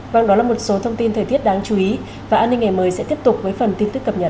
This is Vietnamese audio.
vâng đó là một số thông tin thời tiết đáng chú ý và an ninh ngày mới sẽ tiếp tục với phần tin tức cập nhật